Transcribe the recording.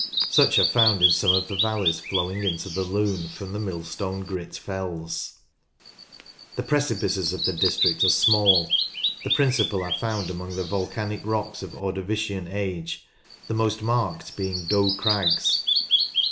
Such are found in some of the valleys flowing into the Lune from the Millstone Grit Fells. The precipices of the district are small. The principal are found among the volcanic rocks of Ordovician age, the most marked being Doe Crags.